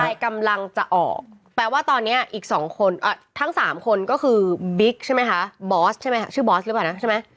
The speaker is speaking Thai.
ใช่กำลังจะออกแปลว่าตอนนี้อีก๒คนทั้ง๓คนก็คือบิ๊กใช่ไหมคะบอสใช่ไหมคะชื่อบอสหรือเปล่านะใช่ไหม